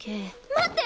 待って！